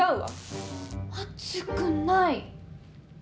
熱くない。